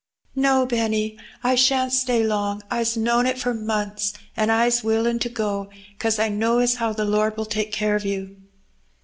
" No, Benny, I shan't stay long. I's known it for months, an' I's willin' to go, 'cause I know as how the Lord will take care of you."